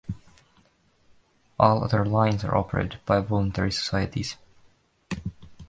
All other lines are operated by voluntary societies.